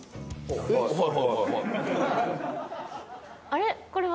あれ。